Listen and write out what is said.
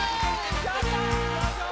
やったー！